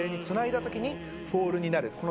つないだ時にフォールになる。